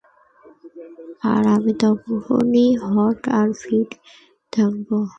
আর আমি তখনও হট আর ফিট থাকব।